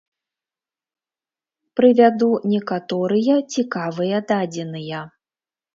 Прывяду некаторыя цікавыя дадзеныя.